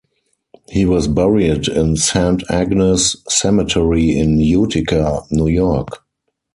He was buried in Saint Agnes Cemetery in Utica, New York.